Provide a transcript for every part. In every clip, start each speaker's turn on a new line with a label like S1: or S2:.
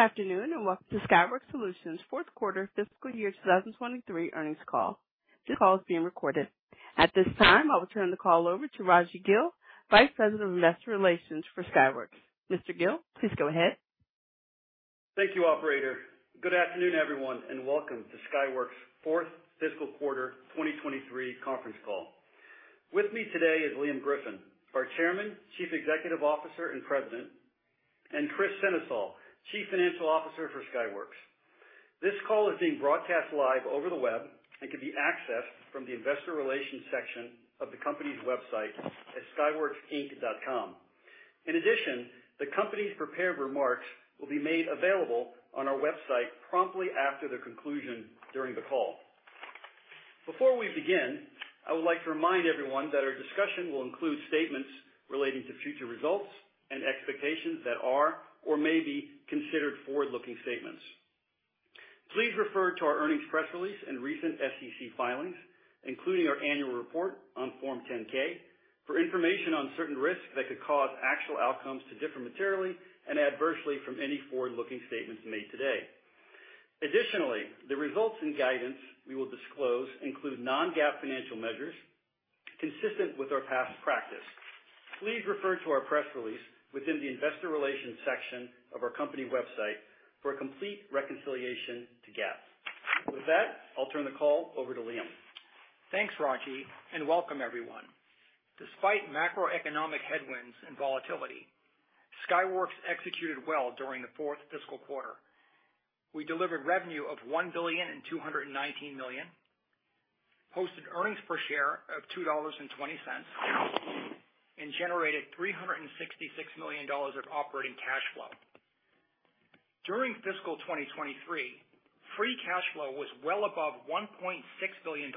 S1: Good afternoon, and welcome to Skyworks Solutions' Fourth Quarter Fiscal Year 2023 earnings call. This call is being recorded. At this time, I will turn the call over to Raji Gill, Vice President of Investor Relations for Skyworks. Mr. Gill, please go ahead.
S2: Thank you, operator. Good afternoon, everyone, and welcome to Skyworks' Fourth Fiscal Quarter 2023 conference call. With me today is Liam Griffin, our Chairman, Chief Executive Officer, and President, and Kris Sennesael, Chief Financial Officer for Skyworks. This call is being broadcast live over the web and can be accessed from the Investor Relations section of the company's website at skyworksinc.com. In addition, the company's prepared remarks will be made available on our website promptly after the conclusion during the call. Before we begin, I would like to remind everyone that our discussion will include statements relating to future results and expectations that are or may be considered forward-looking statements. Please refer to our earnings press release and recent SEC filings, including our annual report on Form 10-K, for information on certain risks that could cause actual outcomes to differ materially and adversely from any forward-looking statements made today. Additionally, the results and guidance we will disclose include Non-GAAP financial measures consistent with our past practice. Please refer to our press release within the Investor Relations section of our company website for a complete reconciliation to GAAP. With that, I'll turn the call over to Liam.
S3: Thanks, Raji, and welcome everyone. Despite macroeconomic headwinds and volatility, Skyworks executed well during the fourth fiscal quarter. We delivered revenue of $1.219 billion, posted earnings per share of $2.20, and generated $366 million of operating cash flow. During fiscal 2023, free cash flow was well above $1.6 billion,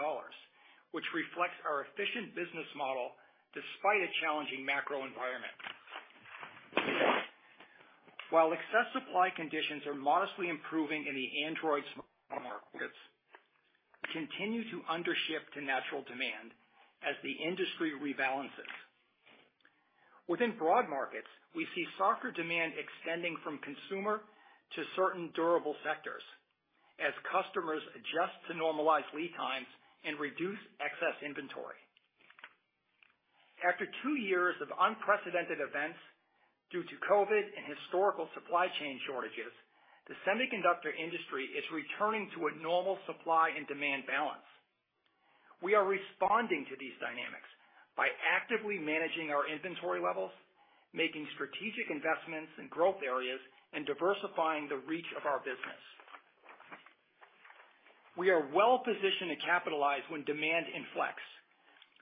S3: which reflects our efficient business model despite a challenging macro environment. While excess supply conditions are modestly improving in the Android smartphone markets, continue to undership to natural demand as the industry rebalances. Within Broad Markets, we see softer demand extending from consumer to certain durable sectors as customers adjust to normalized lead times and reduce excess inventory. After two years of unprecedented events due to COVID and historical supply chain shortages, the semiconductor industry is returning to a normal supply and demand balance. We are responding to these dynamics by actively managing our inventory levels, making strategic investments in growth areas, and diversifying the reach of our business. We are well positioned to capitalize when demand inflects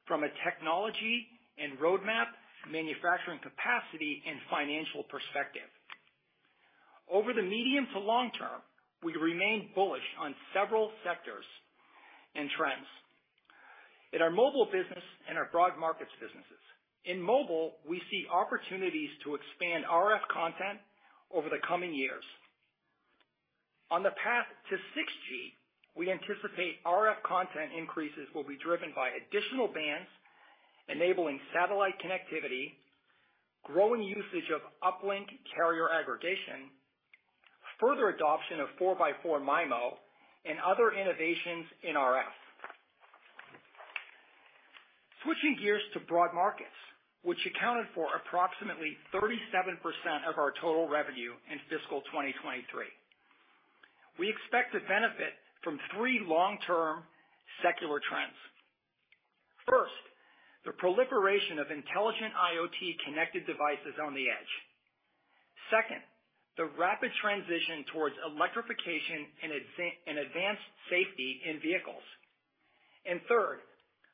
S3: from a technology and roadmap, manufacturing capacity, and financial perspective. Over the medium to long term, we remain bullish on several sectors and trends in our Mobile business and our Broad Markets businesses. In Mobile, we see opportunities to expand RF content over the coming years. On the path to 6G, we anticipate RF content increases will be driven by additional bands, enabling satellite connectivity, growing usage of uplink carrier aggregation, further adoption of 4x4 MIMO, and other innovations in RF. Switching gears to Broad Markets, which accounted for approximately 37% of our total revenue in fiscal 2023. We expect to benefit from three long-term secular trends. First, the proliferation of intelligent IoT connected devices on the edge. Second, the rapid transition towards electrification and advanced safety in vehicles. And third,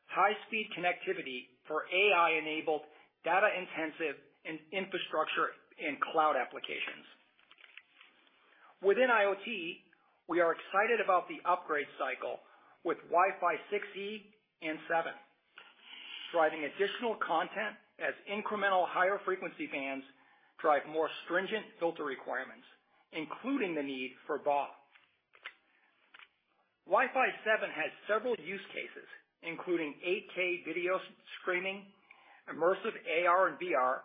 S3: high-speed connectivity for AI-enabled, data-intensive, and infrastructure and cloud applications. Within IoT, we are excited about the upgrade cycle with Wi-Fi 6E and 7, driving additional content as incremental higher frequency bands drive more stringent filter requirements, including the need for BAW. Wi-Fi 7 has several use cases, including 8K video streaming, immersive AR and VR,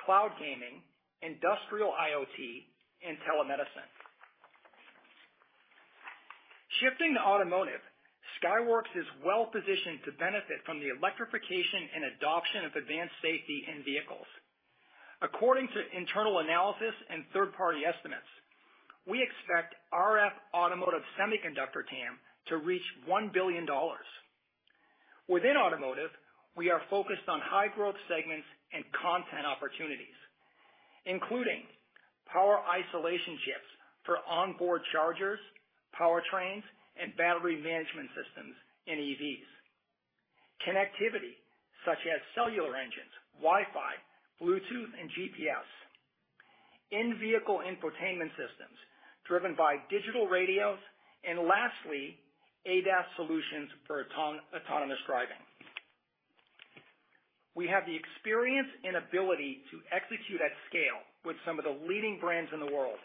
S3: cloud gaming, industrial IoT, and telemedicine. Shifting to Automotive, Skyworks is well positioned to benefit from the electrification and adoption of advanced safety in vehicles. According to internal analysis and third-party estimates, we expect RF Automotive semiconductor TAM to reach $1 billion. Within Automotive, we are focused on high growth segments and content opportunities, including power isolation chips for onboard chargers, powertrains, and battery management systems in EVs. Connectivity, such as cellular engines, Wi-Fi, Bluetooth, and GPS, in-vehicle infotainment systems driven by digital radios, and lastly, ADAS solutions for autonomous driving. We have the experience and ability to execute at scale with some of the leading brands in the world.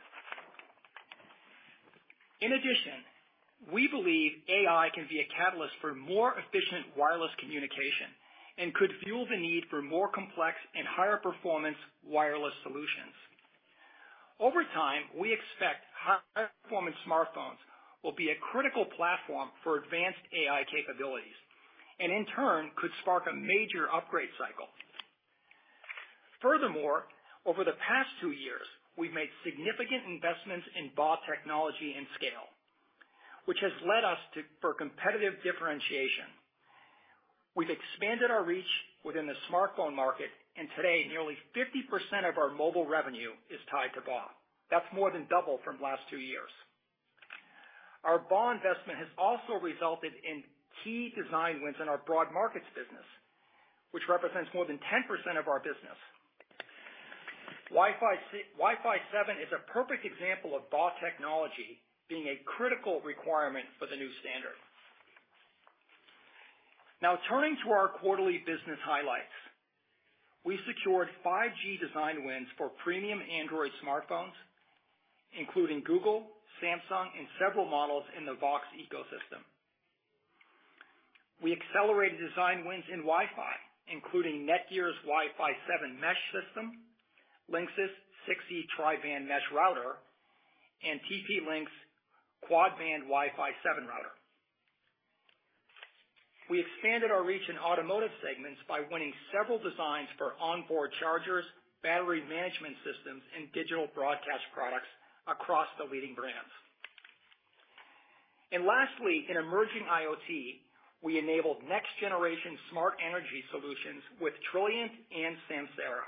S3: In addition, we believe AI can be a catalyst for more efficient wireless communication and could fuel the need for more complex and higher performance wireless solutions. Over time, we expect high performance smartphones will be a critical platform for advanced AI capabilities and in turn, could spark a major upgrade cycle. Furthermore, over the past two years, we've made significant investments in BAW technology and scale, which has led us to, for competitive differentiation. We've expanded our reach within the smartphone market, and today, nearly 50% of our mobile revenue is tied to BAW. That's more than double from last two years. Our BAW investment has also resulted in key design wins in our Broad Markets business, which represents more than 10% of our business. Wi-Fi 7 is a perfect example of BAW technology being a critical requirement for the new standard. Now, turning to our quarterly business highlights. We secured 5G design wins for premium Android smartphones, including Google, Samsung, and several models in the OVX ecosystem. We accelerated design wins in Wi-Fi, including NETGEAR's Wi-Fi 7 mesh system, Linksys 6E tri-band mesh router, and TP-Link's quad-band Wi-Fi 7 router. We expanded our reach in Automotive segments by winning several designs for onboard chargers, battery management systems, and digital broadcast products across the leading brands. And lastly, in emerging IoT, we enabled next generation smart energy solutions with Trilliant and Samsara.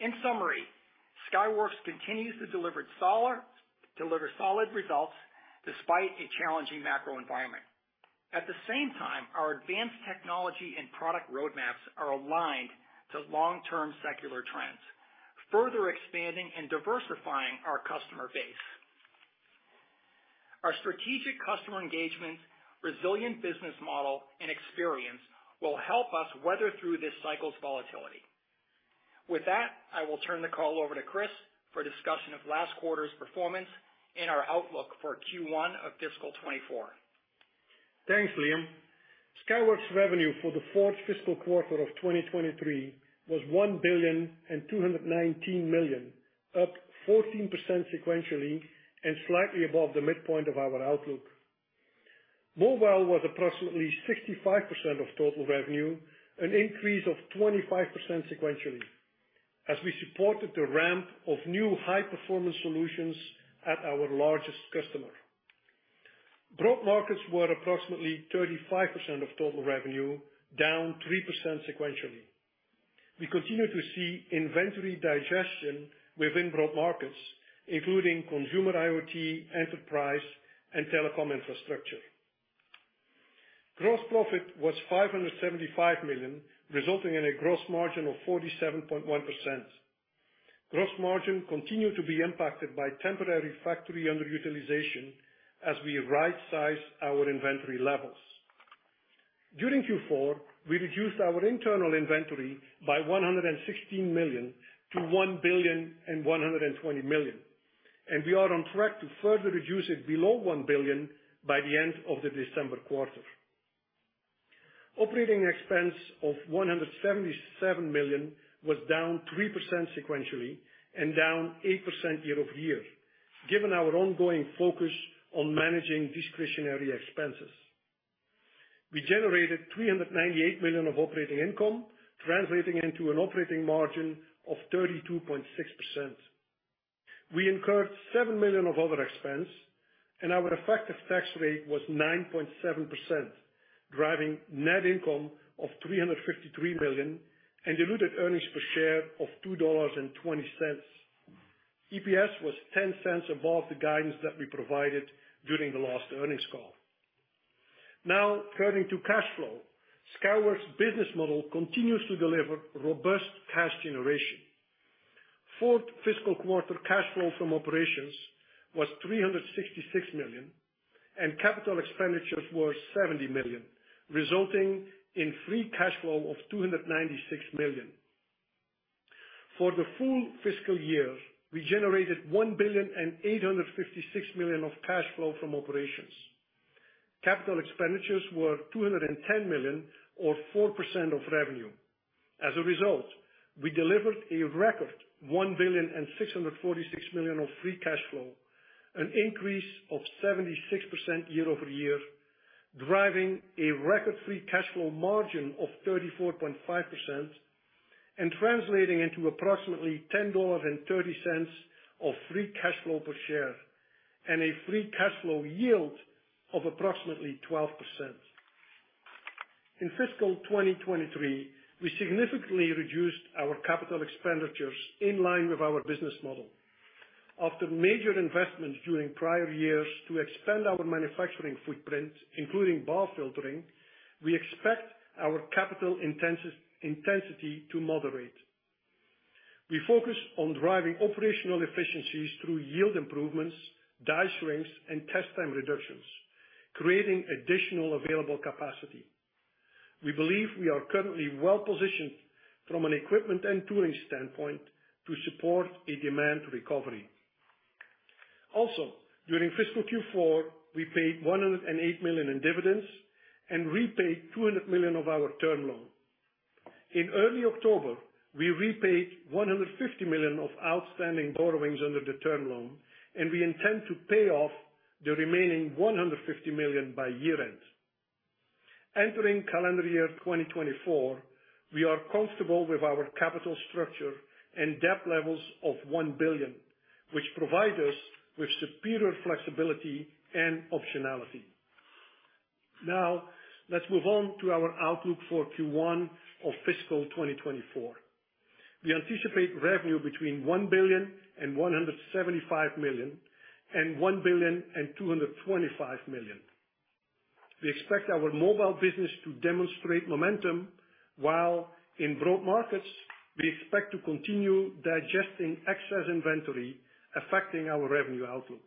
S3: In summary, Skyworks continues to deliver solid results despite a challenging macro environment. At the same time, our advanced technology and product roadmaps are aligned to long-term secular trends, further expanding and diversifying our customer base. Our strategic customer engagement, resilient business model and experience will help us weather through this cycle's volatility. With that, I will turn the call over to Kris for a discussion of last quarter's performance and our outlook for Q1 of fiscal 2024.
S4: Thanks, Liam. Skyworks' revenue for the fourth fiscal quarter of 2023 was $1.219 billion, up 14% sequentially and slightly above the midpoint of our outlook. Mobile was approximately 65% of total revenue, an increase of 25% sequentially, as we supported the ramp of new high-performance solutions at our largest customer. Broad Markets were approximately 35% of total revenue, down 3% sequentially. We continue to see inventory digestion within Broad Markets, including consumer IoT, enterprise, and telecom infrastructure. Gross profit was $575 million, resulting in a gross margin of 47.1%. Gross margin continued to be impacted by temporary factory underutilization as we rightsize our inventory levels. During Q4, we reduced our internal inventory by $116 million to $1.12 billion, and we are on track to further reduce it below $1 billion by the end of the December quarter. Operating expense of $177 million was down 3% sequentially and down 8% year-over-year, given our ongoing focus on managing discretionary expenses. We generated $398 million of operating income, translating into an operating margin of 32.6%. We incurred $7 million of other expense, and our effective tax rate was 9.7%, driving net income of $353 million and diluted earnings per share of $2.20. EPS was $0.10 above the guidance that we provided during the last earnings call. Now, turning to cash flow. Skyworks' business model continues to deliver robust cash generation. Fourth fiscal quarter cash flow from operations was $366 million, and capital expenditures were $70 million, resulting in free cash flow of $296 million. For the full fiscal year, we generated $1.856 billion of cash flow from operations. Capital expenditures were $210 million or 4% of revenue. As a result, we delivered a record $1.646 billion of free cash flow, an increase of 76% year-over-year, driving a record free cash flow margin of 34.5% and translating into approximately $10.30 of free cash flow per share, and a free cash flow yield of approximately 12%. In fiscal 2023, we significantly reduced our capital expenditures in line with our business model. After major investments during prior years to expand our manufacturing footprint, including BAW filtering, we expect our capital intensity to moderate. We focus on driving operational efficiencies through yield improvements, die shrinks, and test time reductions, creating additional available capacity. We believe we are currently well-positioned from an equipment and tooling standpoint to support a demand recovery. Also, during fiscal Q4, we paid $108 million in dividends and repaid $200 million of our term loan. In early October, we repaid $150 million of outstanding borrowings under the term loan, and we intend to pay off the remaining $150 million by year-end. Entering calendar year 2024, we are comfortable with our capital structure and debt levels of $1 billion, which provide us with superior flexibility and optionality. Now, let's move on to our outlook for Q1 of fiscal 2024. We anticipate revenue between $1.175 billion and $1.225 billion. We expect our Mobile business to demonstrate momentum, while in Broad Markets, we expect to continue digesting excess inventory affecting our revenue outlook.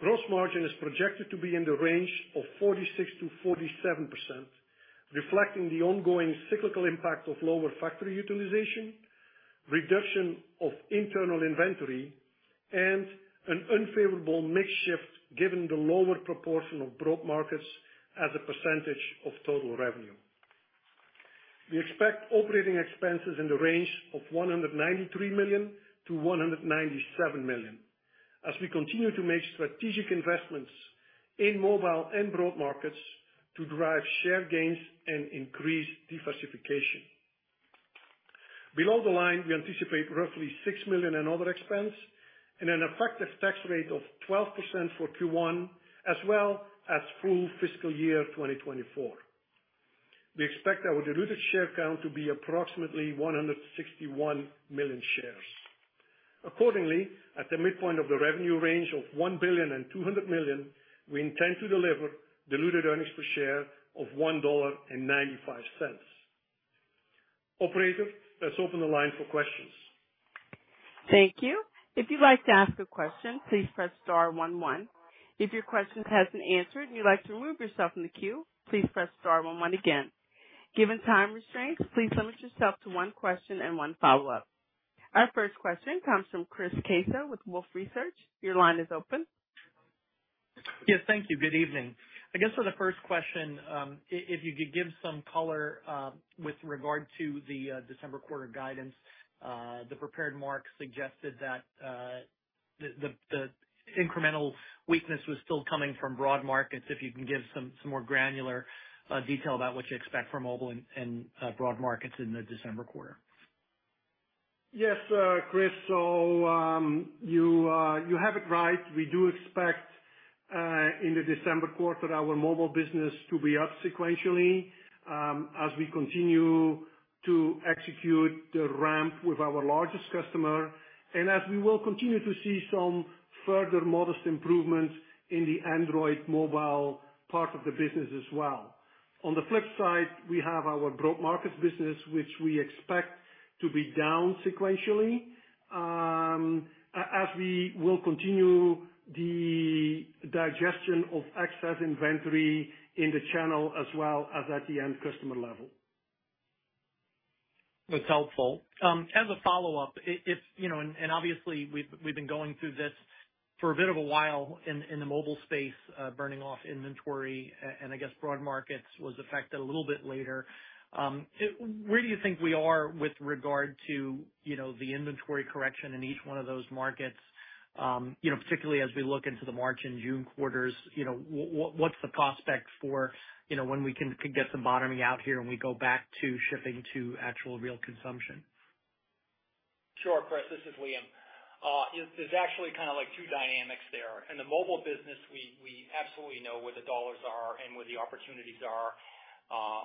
S4: Gross margin is projected to be in the range of 46%-47%, reflecting the ongoing cyclical impact of lower factory utilization, reduction of internal inventory, and an unfavorable mix shift, given the lower proportion of Broad Markets as a percentage of total revenue. We expect operating expenses in the range of $193 million-$197 million as we continue to make strategic investments in Mobile and Broad Markets to drive share gains and increase diversification. Below the line, we anticipate roughly $6 million in other expense and an effective tax rate of 12% for Q1, as well as full fiscal year 2024. We expect our diluted share count to be approximately 161 million shares. Accordingly, at the midpoint of the revenue range of $1.2 billion, we intend to deliver diluted earnings per share of $1.95. Operator, let's open the line for questions.
S1: Thank you. If you'd like to ask a question, please press star one, one. If your question has been answered and you'd like to remove yourself from the queue, please press star one one again. Given time restraints, please limit yourself to one question and one follow-up. Our first question comes from Chris Caso with Wolfe Research. Your line is open.
S5: Yes, thank you. Good evening. I guess for the first question, if you could give some color with regard to the December quarter guidance, the prepared marks suggested that the incremental weakness was still coming from Broad Markets. If you can give some more granular detail about what you expect from Mobile and Broad Markets in the December quarter?
S4: Yes, Chris. So, you have it right. We do expect in the December quarter, our Mobile business to be up sequentially, as we continue to execute the ramp with our largest customer, and as we will continue to see some further modest improvements in the Android Mobile part of the business as well. On the flip side, we have our Broad Markets business, which we expect to be down sequentially, as we will continue the digestion of excess inventory in the channel as well as at the end customer level.
S5: That's helpful. As a follow-up, if you know, and obviously we've been going through this for a bit of a while in the mobile space, burning off inventory, and I guess Broad Markets was affected a little bit later. Where do you think we are with regard to the inventory correction in each one of those markets? You know, particularly as we look into the March and June quarters, you know, what's the prospect for when we can get some bottoming out here, and we go back to shipping to actual real consumption?
S3: Sure, Chris, this is Liam. There's actually kind of like two dynamics there. In the Mobile business, we, we absolutely know where the dollars are and where the opportunities are,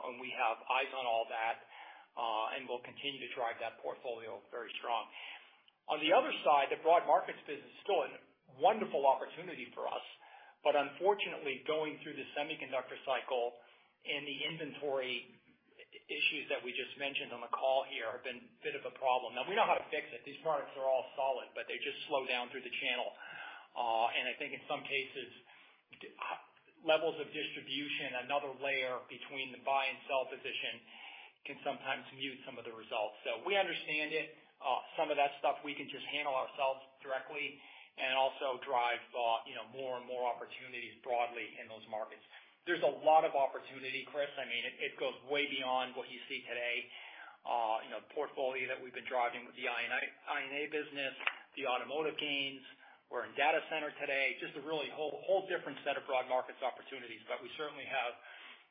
S3: and we have eyes on all that, and we'll continue to drive that portfolio very strong. On the other side, the Broad Markets business is still a wonderful opportunity for us, but unfortunately, going through the semiconductor cycle and the inventory issues that we just mentioned on the call here have been a bit of a problem. Now, we know how to fix it. These products are all solid, but they just slow down through the channel. And I think in some cases, distribution levels, another layer between the buy and sell position can sometimes mute some of the results. So we understand it. Some of that stuff we can just handle ourselves directly and also drive, you know, more and more opportunities broadly in those markets. There's a lot of opportunity, Chris. I mean, it goes way beyond what you see today. You know, the portfolio that we've been driving with the I&A business, the Automotive gains. We're in data center today, just a really whole different set of Broad Markets opportunities. But we certainly have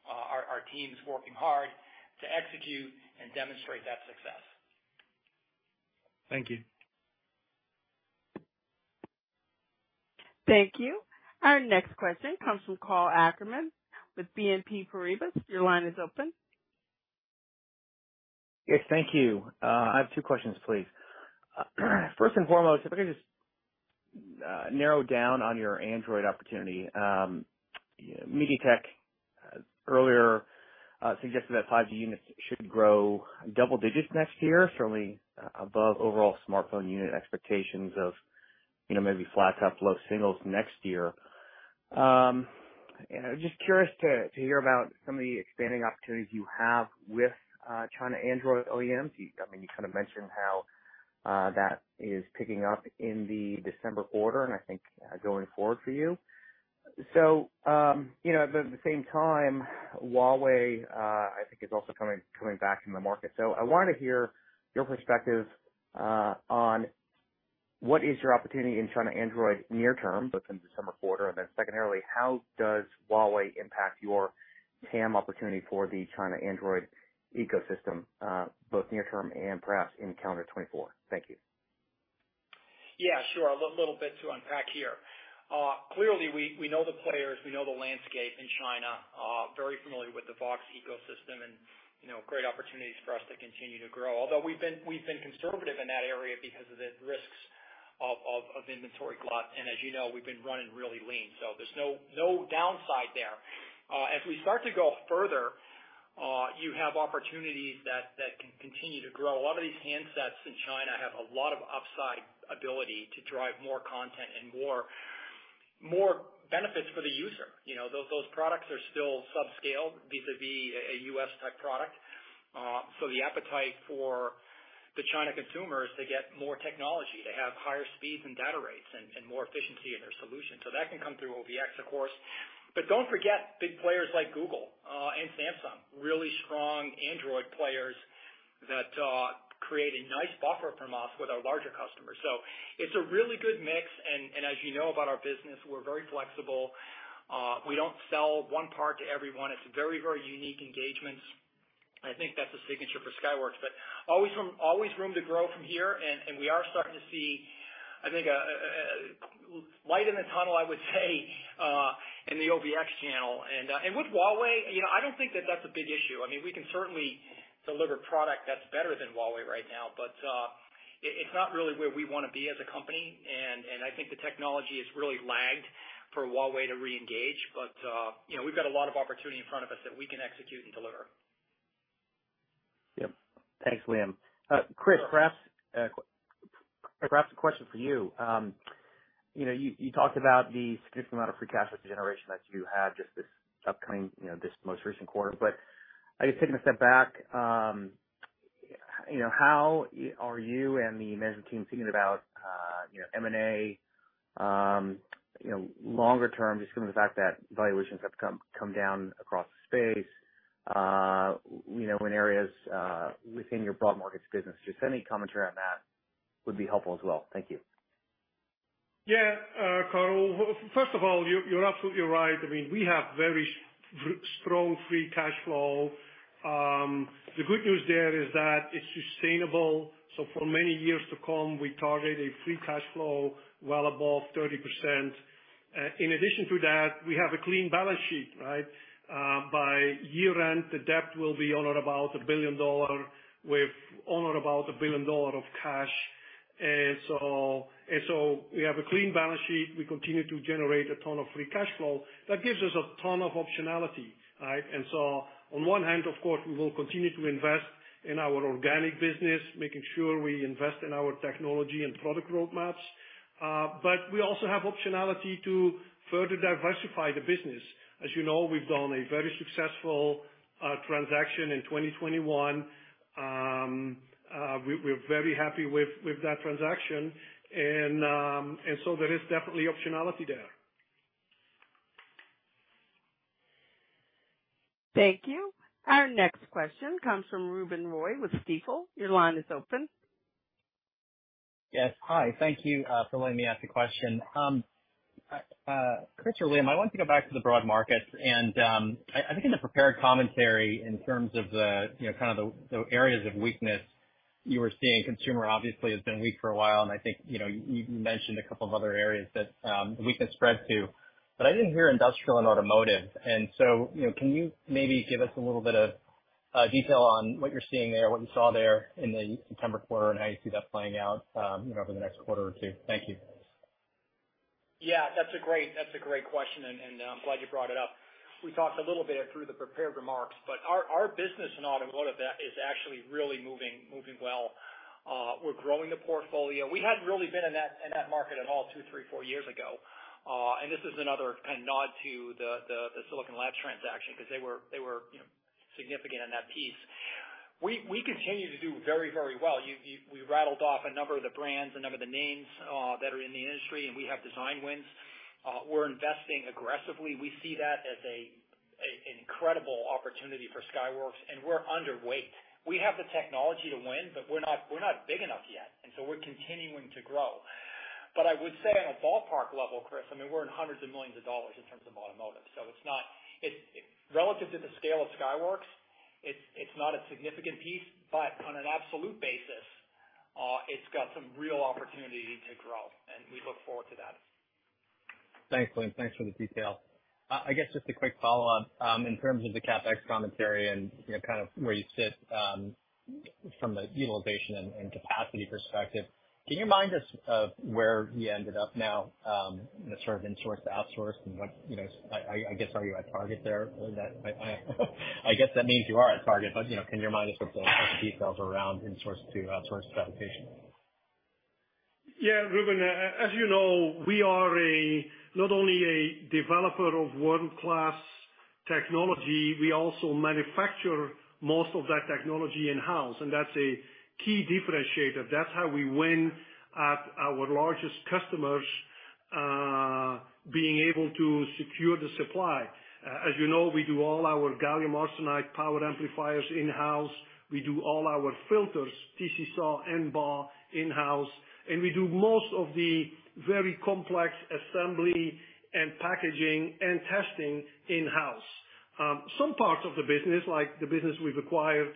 S3: our teams working hard to execute and demonstrate that success.
S5: Thank you.
S1: Thank you. Our next question comes from Karl Ackerman with BNP Paribas. Your line is open.
S6: Yes, thank you. I have two questions, please. First and foremost, if I could just narrow down on your Android opportunity. MediaTek earlier suggested that 5G units should grow double digits next year, certainly above overall smartphone unit expectations of, you know, maybe flat to low singles next year. And I was just curious to hear about some of the expanding opportunities you have with China Android OEMs. I mean, you kind of mentioned how that is picking up in the December quarter, and I think going forward for you. So, you know, at the same time, Huawei I think is also coming back in the market. So I wanted to hear your perspective, on what is your opportunity in China Android near term, both in December quarter, and then secondarily, how does Huawei impact your TAM opportunity for the China Android ecosystem, both near term and perhaps in calendar 2024? Thank you.
S3: Yeah, sure. A little bit to unpack here. Clearly, we know the players. We know the landscape in China, very familiar with the OVX ecosystem and, you know, great opportunities for us to continue to grow. Although we've been conservative in that area because of the risks of inventory glut. And as you know, we've been running really lean, so there's no downside there. As we start to go further, you have opportunities that can continue to grow. A lot of these handsets in China have a lot of upside ability to drive more content and more benefits for the user. You know, those products are still subscale vis-a-vis a U.S. type product. So the appetite for the China consumer is to get more technology, to have higher speeds and data rates and more efficiency in their solution. So that can come through OVX, of course. But don't forget big players like Google and Samsung, really strong Android players that create a nice buffer from us with our larger customers. So it's a really good mix, and as you know about our business, we're very flexible. We don't sell one part to everyone. It's very unique engagements, and I think that's a signature for Skyworks, but always room to grow from here, and we are starting to see, I think, a light in the tunnel, I would say, in the OVX channel. And with Huawei, you know, I don't think that's a big issue. I mean, we can certainly deliver product that's better than Huawei right now, but it's not really where we wanna be as a company. And I think the technology has really lagged for Huawei to reengage, but you know, we've got a lot of opportunity in front of us that we can execute and deliver.
S6: Yep. Thanks, Liam. Kris, perhaps a question for you. You know, you talked about the significant amount of free cash flow generation that you had just this upcoming, you know, this most recent quarter. But I just taking a step back, you know, how are you and the Management team thinking about, you know, M&A, you know, longer term, just given the fact that valuations have come down across the space, you know, in areas within your Broad Markets business? Just any commentary on that would be helpful as well. Thank you.
S4: Yeah, Karl, first of all, you're absolutely right. I mean, we have very strong free cash flow. The good news there is that it's sustainable, so for many years to come, we target a free cash flow well above 30%. In addition to that, we have a clean balance sheet, right? By year-end, the debt will be on or about $1 billion, with on or about $1 billion of cash. And so, and so we have a clean balance sheet. We continue to generate a ton of free cash flow. That gives us a ton of optionality, right? And so on one hand, of course, we will continue to invest in our organic business, making sure we invest in our technology and product roadmaps, but we also have optionality to further diversify the business. As you know, we've done a very successful transaction in 2021. We're very happy with that transaction, and so there is definitely optionality there.
S1: Thank you. Our next question comes from Ruben Roy with Stifel. Your line is open.
S7: Yes. Hi. Thank you for letting me ask a question. Kris or Liam, I want to go back to the Broad Markets, and I think in the prepared commentary in terms of the, you know, kind of the areas of weakness you were seeing, consumer obviously has been weak for a while, and I think, you know, you mentioned a couple of other areas that the weakness spread to, but I didn't hear Industrial and Automotive. And so, you know, can you maybe give us a little bit of detail on what you're seeing there, what you saw there in the September quarter and how you see that playing out, you know, over the next quarter or two? Thank you.
S3: Yeah, that's a great question, and I'm glad you brought it up. We talked a little bit through the prepared remarks, but our business in Automotive is actually really moving well. We're growing the portfolio. We hadn't really been in that market at all 2, 3, 4 years ago. And this is another kind of nod to the Silicon Labs transaction, because they were, you know, significant in that piece. We continue to do very, very well. You, we rattled off a number of the brands, a number of the names that are in the industry, and we have design wins. We're investing aggressively. We see that as an incredible opportunity for Skyworks, and we're underweight. We have the technology to win, but we're not, we're not big enough yet, and so we're continuing to grow. But I would say on a ballpark level, Chris, I mean, we're in hundreds of millions dollars in terms of Automotive, so it's not, it, relative to the scale of Skyworks, it's, it's not a significant piece, but on an absolute basis, it's got some real opportunity to grow, and we look forward to that.
S7: Thanks, Liam. Thanks for the detail. I guess just a quick follow-up, in terms of the CapEx commentary and, you know, kind of where you sit, from the utilization and capacity perspective, can you remind us of where you ended up now, in the sort of insourced to outsourced and what, you know, I guess, are you at target there? Or that I guess that means you are at target, but, you know, can you remind us of the details around insource to outsource specification?
S4: .Yeah, Ruben, as you know, we are not only a developer of world-class technology, we also manufacture most of that technology in-house, and that's a key differentiator. That's how we win at our largest customers, being able to secure the supply. As you know, we do all our gallium arsenide power amplifiers in-house. We do all our filters, TC-SAW and BAW in-house, and we do most of the very complex assembly and packaging and testing in-house. Some parts of the business, like the business we've acquired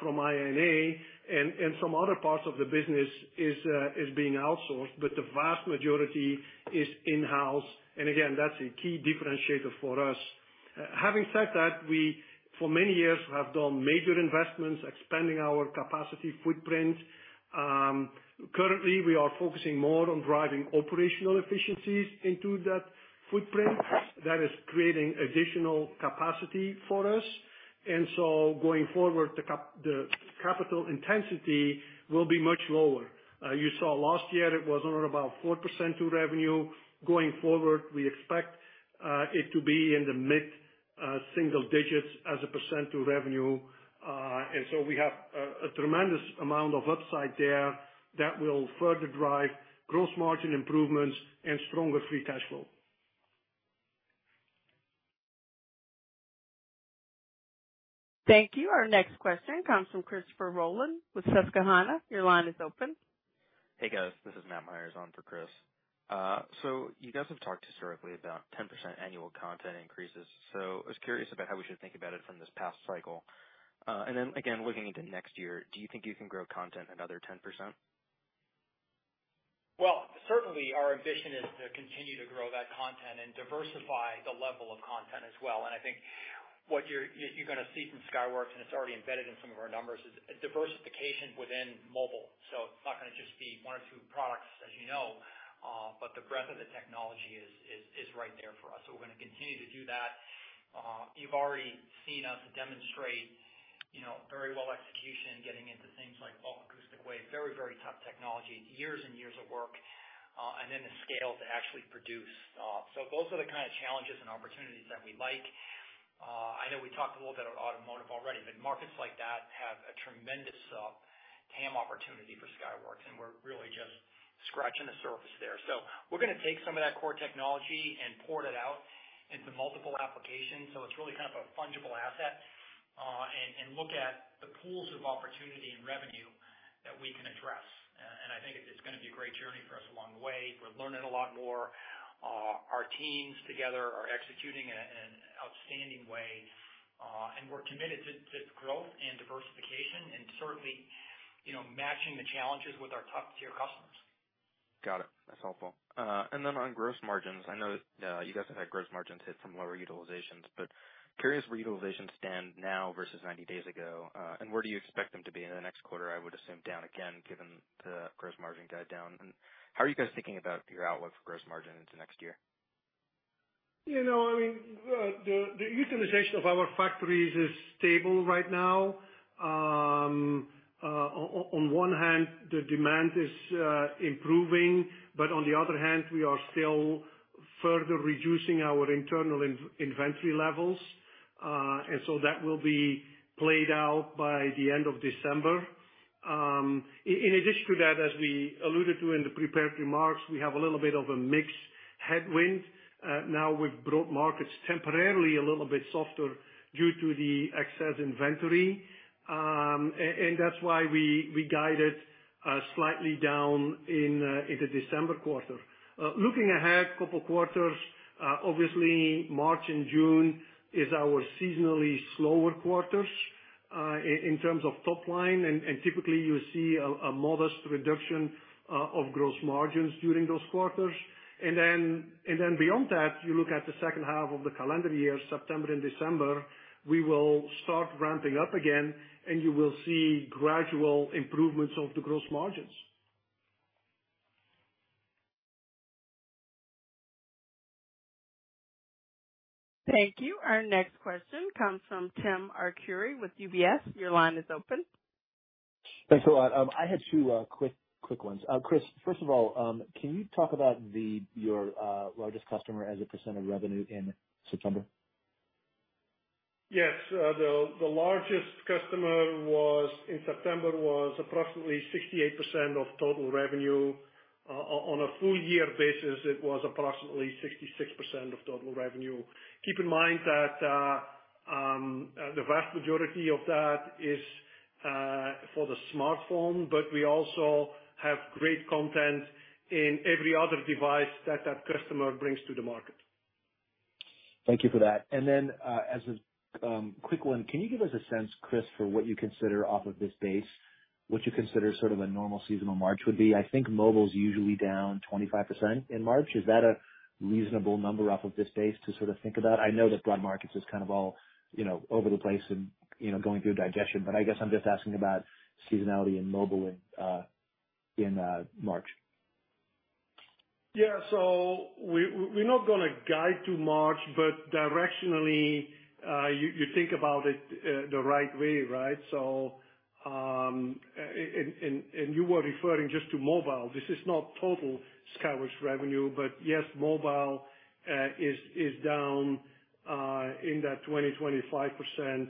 S4: from I&A and some other parts of the business is being outsourced, but the vast majority is in-house. And again, that's a key differentiator for us. Having said that, we for many years have done major investments, expanding our capacity footprint. Currently, we are focusing more on driving operational efficiencies into that footprint. That is creating additional capacity for us. So going forward, the capital intensity will be much lower. You saw last year it was around about 4% to revenue. Going forward, we expect it to be in the mid-single digits as a percent to revenue. And so we have a tremendous amount of upside there that will further drive gross margin improvements and stronger free cash flow.
S1: Thank you. Our next question comes from Christopher Rolland with Susquehanna. Your line is open.
S8: Hey, guys, this is Matt Myers on for Chris. So you guys have talked historically about 10% annual content increases, so I was curious about how we should think about it from this past cycle. And then again, looking into next year, do you think you can grow content another 10%?
S3: Well, certainly our ambition is to continue to grow that content and diversify the level of content as well. And I think what you're gonna see from Skyworks, and it's already embedded in some of our numbers, is a diversification within mobile. So it's not gonna just be one or two products, as you know, but the breadth of the technology is right there for us. So we're gonna continue to do that. You've already seen us demonstrate, you know, very well execution, getting into things like bulk acoustic waves, very, very tough technology, years and years of work, and then the scale to actually produce. So those are the kind of challenges and opportunities that we like. I know we talked a little bit about Automotive already, but markets like that have a tremendous TAM opportunity for Skyworks, and we're really just scratching the surface there. So we're gonna take some of that core technology and port it out into multiple applications, so it's really kind of a fungible asset, and look at the pools of opportunity and revenue that we can address. And I think it's gonna be a great journey for us along the way. We're learning a lot more. Our teams together are executing in an outstanding way, and we're committed to growth and diversification and certainly, you know, matching the challenges with our top-tier customers.
S8: Got it. That's helpful. And then on gross margins, I know, you guys have had gross margins hit some lower utilizations, but curious where utilizations stand now versus 90 days ago. And where do you expect them to be in the next quarter? I would assume down again, given the gross margin guide down. And how are you guys thinking about your outlook for gross margin into next year?
S4: You know, I mean, the utilization of our factories is stable right now. On one hand, the demand is improving, but on the other hand, we are still further reducing our internal inventory levels. And so that will be played out by the end of December. In addition to that, as we alluded to in the prepared remarks, we have a little bit of a mix headwind. Now with Broad Markets temporarily a little bit softer due to the excess inventory. And that's why we guided slightly down in the December quarter. Looking ahead a couple quarters, obviously March and June is our seasonally slower quarters in terms of top line, and typically you see a modest reduction of gross margins during those quarters. Then, beyond that, you look at the second half of the calendar year, September and December. We will start ramping up again, and you will see gradual improvements of the gross margins.
S1: Thank you. Our next question comes from Tim Arcuri with UBS. Your line is open.
S9: Thanks a lot. I had two quick ones. Chris, first of all, can you talk about your largest customer as a percent of revenue in September?
S4: Yes. The largest customer was, in September, approximately 68% of total revenue. On a full year basis, it was approximately 66% of total revenue. Keep in mind that the vast majority of that is for the smartphone, but we also have great content in every other device that that customer brings to the market.
S9: Thank you for that. And then, as a quick one, can you give us a sense, Chris, for what you consider off of this base, what you consider sort of a normal seasonal march would be? I think Mobile's usually down 25% in March. Is that a reasonable number off of this base to sort of think about? I know that Broad Markets is kind of all, you know, over the place and, you know, going through digestion, but I guess I'm just asking about seasonality in Mobile in March.
S4: Yeah, so we, we're not gonna guide too much, but directionally, you think about it, the right way, right? So, and you were referring just to Mobile. This is not total Skyworks revenue, but yes, Mobile is down in that 20%-25%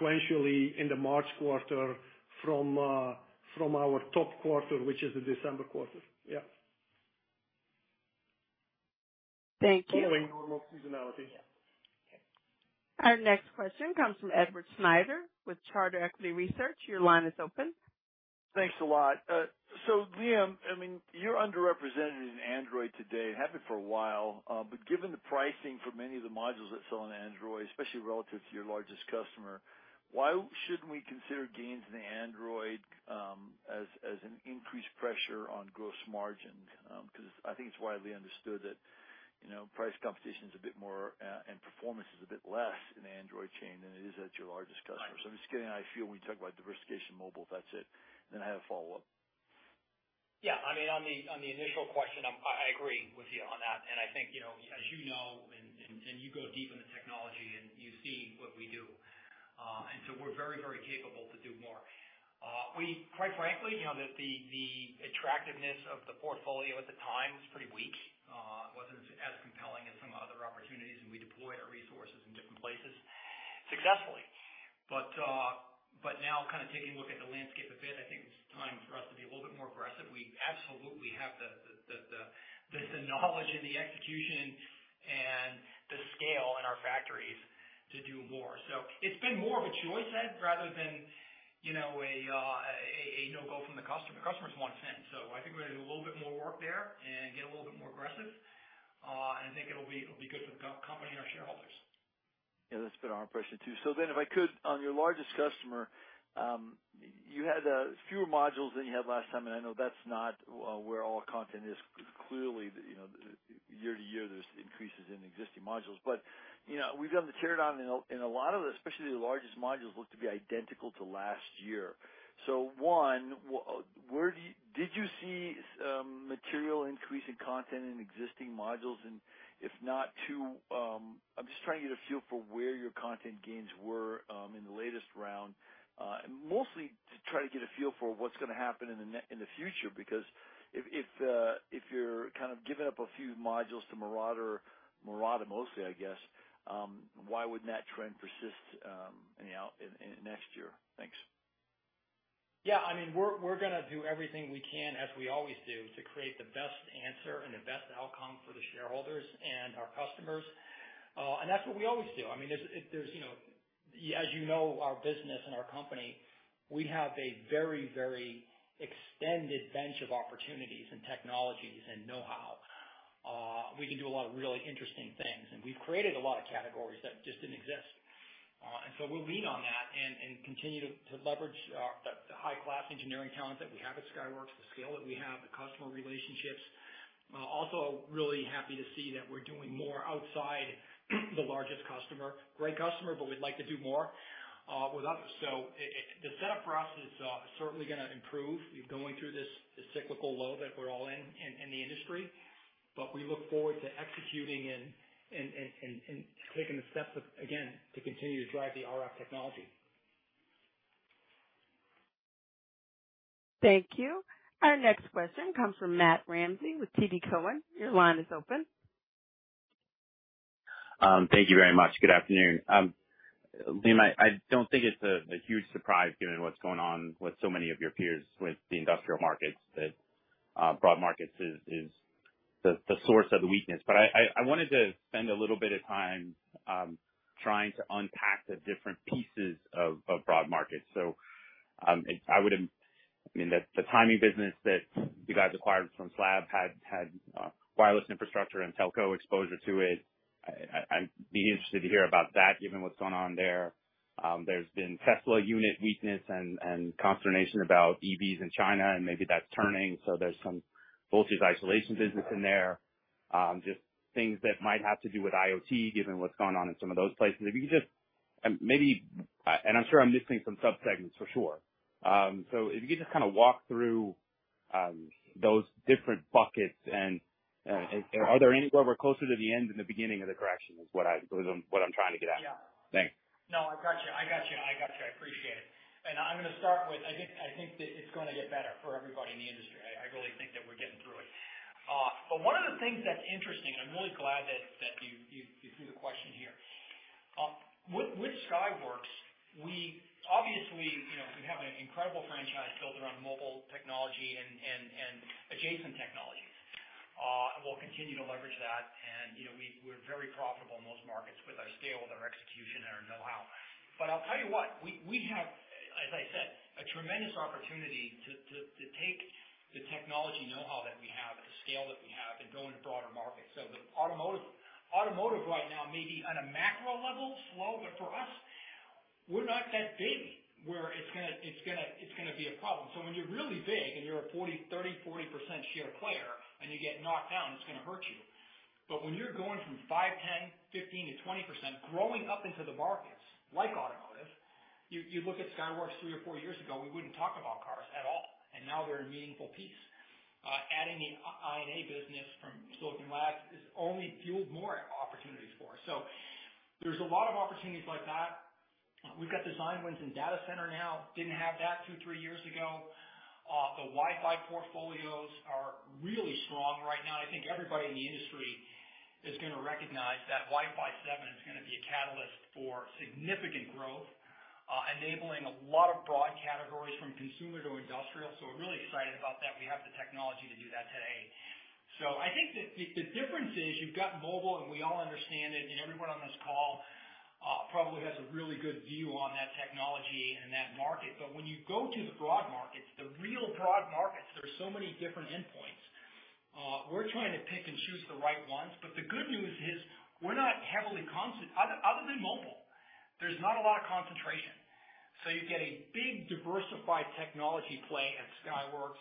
S4: sequentially in the March quarter from our top quarter, which is the December quarter. Yep.
S1: Thank you. Following normal seasonality. Our next question comes from Edward Snyder with Charter Equity Research. Your line is open.
S10: Thanks a lot. So Liam, I mean, you're underrepresented in Android today, and have been for a while, but given the pricing for many of the modules that sell on Android, especially relative to your largest customer, why shouldn't we consider gains in the Android as an increased pressure on gross margin? Because I think it's widely understood that, you know, price competition is a bit more, and performance is a bit less in the Android chain than it is at your largest customer. So I'm just getting a feel when you talk about diversification in Mobile, that's it. Then I have a follow-up.
S3: Yeah, I mean, on the initial question, I agree with you on that. And I think, you know, as you know, and you go deep in the technology and you see what we do. And so we're very, very capable to do more. We quite frankly, you know, the attractiveness of the portfolio at the time was pretty weak, wasn't as compelling as some other opportunities, and we deployed our resources in different places successfully. But now kind of taking a look at the landscape a bit, I think it's time for us to be a little bit more aggressive. We absolutely have the knowledge and the execution and the scale in our factories to do more. So it's been more of a choice set rather than, you know, a no-go from the customer. The customers want in. So I think we're gonna do a little bit more work there and get a little bit more aggressive, and I think it'll be, it'll be good for the company and our shareholders.
S10: Yeah, that's been our impression, too. So then, if I could, on your largest customer, you had fewer modules than you had last time, and I know that's not where all content is. Clearly, you know, year to year, there's increases in existing modules. But, you know, we've done the tear down, and a lot of the, especially the largest modules, look to be identical to last year. So one, where do you? Did you see material increase in content in existing modules? And if not, two, I'm just trying to get a feel for where your content gains were in the latest round. Mostly to try to get a feel for what's gonna happen in the future, because if you're kind of giving up a few modules to Murata, Murata mostly, I guess, why wouldn't that trend persist, you know, in next year? Thanks.
S3: Yeah, I mean, we're gonna do everything we can, as we always do, to create the best answer and the best outcome for the shareholders and our customers. And that's what we always do. I mean, there's you know, as you know, our business and our company, we have a very, very extended bench of opportunities and technologies and know-how. We can do a lot of really interesting things, and we've created a lot of categories that just didn't exist. And so we'll lean on that and continue to leverage our the high-class engineering talent that we have at Skyworks, the scale that we have, the customer relationships. Also really happy to see that we're doing more outside the largest customer. Great customer, but we'd like to do more with others. So it, the setup for us is certainly gonna improve. We're going through this cyclical low that we're all in in the industry, but we look forward to executing and taking the steps of, again, to continue to drive the RF technology.
S1: Thank you. Our next question comes from Matt Ramsay with TD Cowen. Your line is open.
S11: Thank you very much. Good afternoon. Liam, I don't think it's a huge surprise given what's going on with so many of your peers with the industrial markets, that Broad Markets is the source of the weakness. But I wanted to spend a little bit of time trying to unpack the different pieces of Broad Market. I would I mean, the timing business that you guys acquired from Silicon Labs had wireless infrastructure and telco exposure to it. I'd be interested to hear about that, given what's going on there. There's been Tesla unit weakness and consternation about EVs in China, and maybe that's turning, so there's some voltage isolation business in there. Just things that might have to do with IoT, given what's going on in some of those places. If you could just maybe, and I'm sure I'm missing some subsegments for sure. So if you could just kind of walk through those different buckets and, are there any where we're closer to the end than the beginning of the correction is what I, what I'm trying to get at?
S3: Yeah.
S11: Thanks.
S3: No, I've got you. I got you. I got you. I appreciate it. And I'm gonna start with. I think that it's gonna get better for everybody in the industry. I really think that we're getting through it. But one of the things that's interesting, and I'm really glad that you threw the question here. With Skyworks, we obviously, you know, we have an incredible franchise built around Mobile technology and adjacent technologies. And we'll continue to leverage that. And, you know, we're very profitable in those markets with our scale, with our execution and our know-how. But I'll tell you what, we have, as I said, a tremendous opportunity to take the technology know-how that we have and the scale that we have and go into Broader Markets. So with Automotive, Automotive right now may be on a macro level slow, but for us, we're not that big where it's gonna be a problem. So when you're really big and you're a 40%, 30%, 40% share player, and you get knocked down, it's gonna hurt you. But when you're going from 5%, 10%, 15%-20%, growing up into the markets like Automotive, you look at Skyworks three or four years ago, we wouldn't talk about cars at all, and now they're a meaningful piece. Adding the I&A business from Silicon Labs has only fueled more opportunities for us. So there's a lot of opportunities like that. We've got design wins in data center now. Didn't have that two, three years ago. The Wi-Fi portfolios are really strong right now. I think everybody in the industry is gonna recognize that Wi-Fi 7 is gonna be a catalyst for significant growth, enabling a lot of broad categories from consumer to industrial. So we're really excited about that. We have the technology to do that today. So I think the difference is you've got Mobile, and we all understand it, and everyone on this call probably has a really good view on that technology and that market. But when you go to the Broad markets, the real Broad Markets, there are so many different endpoints. We're trying to pick and choose the right ones, but the good news is we're not heavily concentrated other than Mobile, there's not a lot of concentration. So you get a big diversified technology play at Skyworks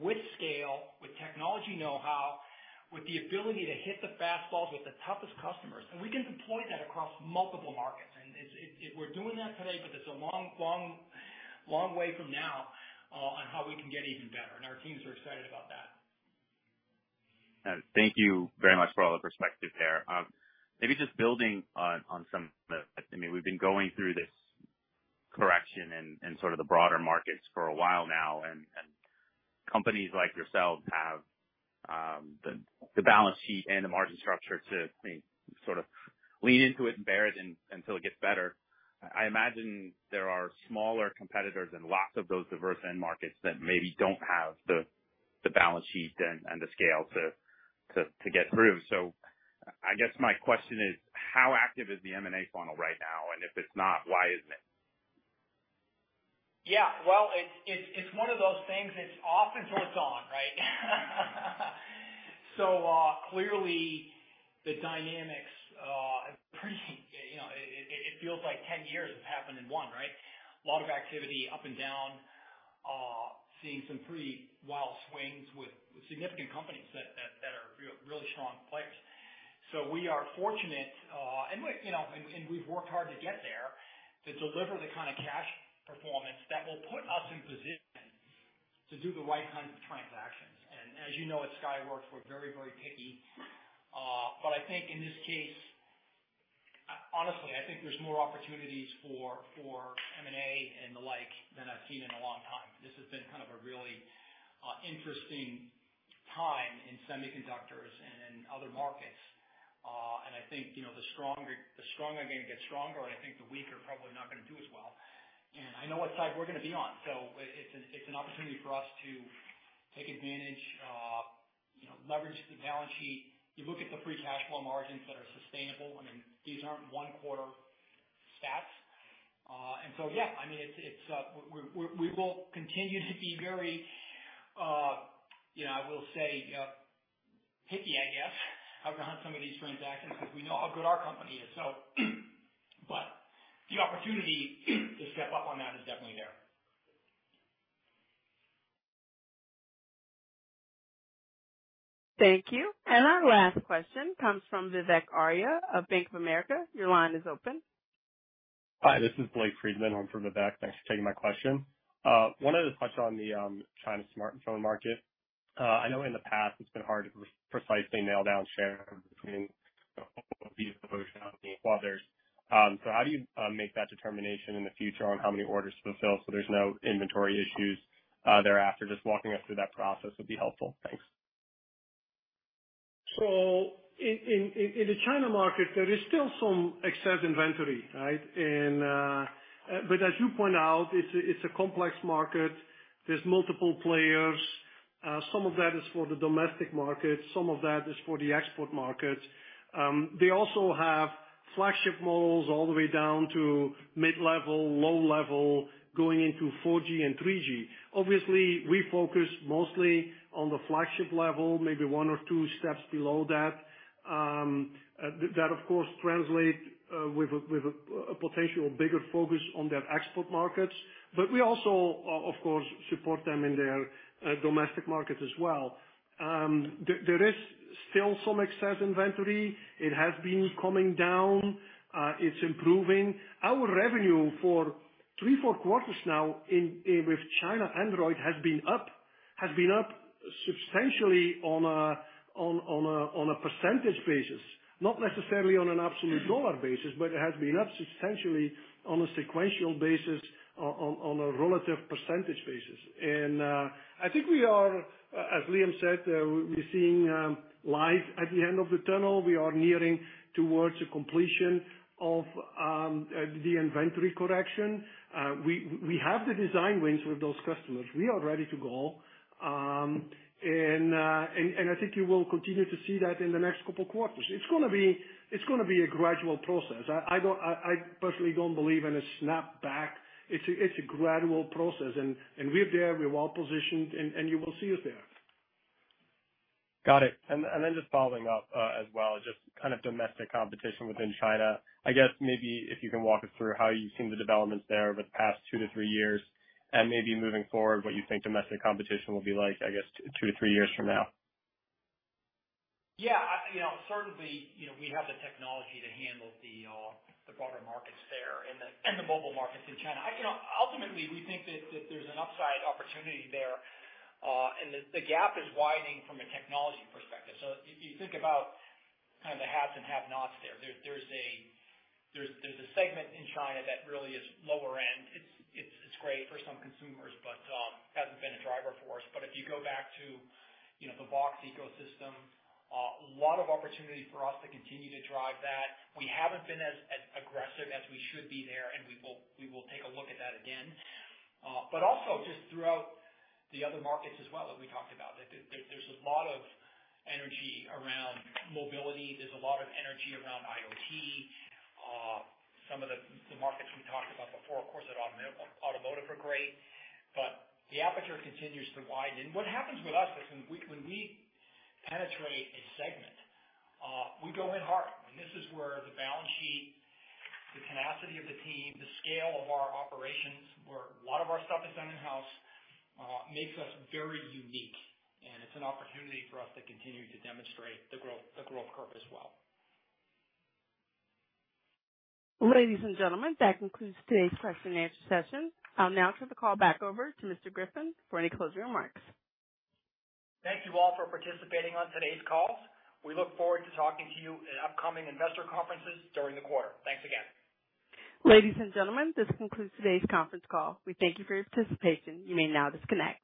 S3: with scale, with technology know-how, with the ability to hit the fast balls with the toughest customers, and we can deploy that across multiple markets. And it's, it's, we're doing that today, but it's a long, long, long way from now, on how we can get even better, and our teams are excited about that.
S11: Thank you very much for all the perspective there. Maybe just building on some of it. I mean, we've been going through this correction in sort of the Broader Markets for a while now, and companies like yourselves have the balance sheet and the margin structure to, I mean, sort of lean into it and bear it until it gets better. I imagine there are smaller competitors in lots of those diverse end markets that maybe don't have the balance sheet and the scale to get through. So I guess my question is: How active is the M&A funnel right now? And if it's not, why isn't it?
S3: Yeah, well, it's one of those things, it's off until it's on, right? So, clearly the dynamics are pretty, you know, it feels like 10 years have happened in one, right? A lot of activity up and down. Seeing some pretty wild swings with significant companies that are really strong players. So we are fortunate, and we, you know, we've worked hard to get there, to deliver the kind of cash performance that will put us in position to do the right kind of transactions. And as you know, at Skyworks, we're very, very picky. But I think in this case, honestly, I think there's more opportunities for M&A and the like than I've seen in a long time. This has been kind of a really interesting time in semiconductors and in other markets. I think, you know, the strong are gonna get stronger, and I think the weak are probably not gonna do as well. I know what side we're gonna be on, so it's an opportunity for us to take advantage, you know, leverage the balance sheet. You look at the free cash flow margins that are sustainable, I mean, these aren't one quarter stats. So, yeah, I mean, it's, we're, we will continue to be very, you know, I will say, picky, I guess, around some of these transactions because we know how good our company is. So but the opportunity to step up on that is definitely there.
S1: Thank you. Our last question comes from Vivek Arya of Bank of America. Your line is open.
S12: Hi, this is Blake Friedman on for Vivek. Thanks for taking my question. Wanted to touch on the China Smartphone market. I know in the past it's been hard to precisely nail down share between the others. So how do you make that determination in the future on how many orders to fulfill so there's no inventory issues thereafter? Just walking us through that process would be helpful. Thanks.
S4: So in the China market, there is still some excess inventory, right? And but as you point out, it's a complex market. There's multiple players. Some of that is for the domestic market, some of that is for the export market. They also have flagship models all the way down to mid-level, low-level, going into 4G and 3G. Obviously, we focus mostly on the flagship level, maybe one or two steps below that. That, of course, translate with a potential bigger focus on their export markets. But we also of course support them in their domestic market as well. There is still some excess inventory. It has been coming down. It's improving. Our revenue for three, four quarters now in with China Android has been up substantially on a percentage basis, not necessarily on an absolute dollar basis, but it has been up substantially on a sequential basis, on a relative percentage basis. And I think we are, as Liam said, we're seeing light at the end of the tunnel. We are nearing towards the completion of the inventory correction. We have the design wins with those customers. We are ready to go. And I think you will continue to see that in the next couple quarters. It's gonna be a gradual process. I personally don't believe in a snap back. It's a gradual process, and we're there. We're well positioned, and you will see us there.
S12: Got it. And, and then just following up, as well, just kind of domestic competition within China. I guess maybe if you can walk us through how you've seen the developments there over the past 2-3 years, and maybe moving forward, what you think domestic competition will be like, I guess, 2-3 years from now?
S3: Yeah, I, you know, certainly, you know, we have the technology to handle the, the Broader Markets there and the, and the Mobile markets in China. You know, ultimately, we think that there's an upside opportunity there, and the, the gap is widening from a technology perspective. So if you think about kind of the haves and have-nots there, there's a segment in China that really is lower end. It's great for some consumers, but hasn't been a driver for us. But if you go back to, you know, the OVX ecosystem, a lot of opportunity for us to continue to drive that. We haven't been as aggressive as we should be there, and we will take a look at that again. But also just throughout the other markets as well, that we talked about, there's a lot of energy around mobility. There's a lot of energy around IoT. Some of the markets we talked about before, of course, are Automotive, are great, but the aperture continues to widen. What happens with us is when we penetrate a segment, we go in hard. And this is where the balance sheet, the tenacity of the team, the scale of our operations, where a lot of our stuff is done in-house, makes us very unique. And it's an opportunity for us to continue to demonstrate the growth curve as well.
S1: Ladies and gentlemen, that concludes today's question and answer session. I'll now turn the call back over to Mr. Griffin for any closing remarks.
S3: Thank you all for participating on today's call. We look forward to talking to you in upcoming investor conferences during the quarter. Thanks again.
S1: Ladies and gentlemen, this concludes today's conference call. We thank you for your participation. You may now disconnect.